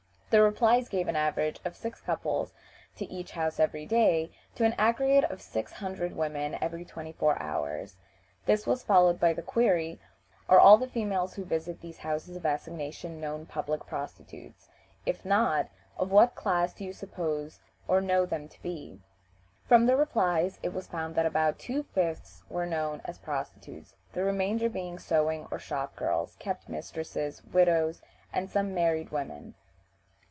The replies gave an average of six couples to each house every day, or an aggregate of six hundred women every twenty four hours. This was followed by the query, "Are all the females who visit these houses of assignation known public prostitutes? If not, of what class do you suppose or know them to be?" From the replies it was found that about two fifths were known as prostitutes, the remainder being sewing or shop girls, kept mistresses, widows, and some married women.